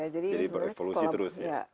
jadi berevolusi terus ya